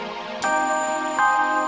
kaun meng curated